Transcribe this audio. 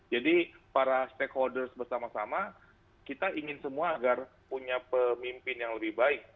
jadi para stakeholders bersama sama kita ingin semua agar punya pemimpin yang lebih baik